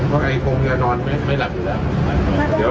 ว่าไอ้กรงอย่านอนไม่หลับอยู่แล้ว